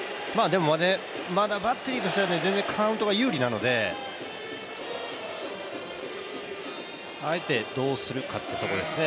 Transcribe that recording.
まだバッテリーとしてはカウントが有利なので、相手どうするかというところですね。